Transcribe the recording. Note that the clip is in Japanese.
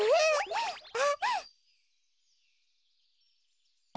あっ。